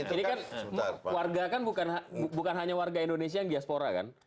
ini kan warga kan bukan hanya warga indonesia yang diaspora kan